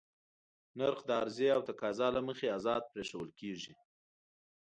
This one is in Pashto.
نرخ د عرضې او تقاضا له مخې ازاد پرېښودل کېږي.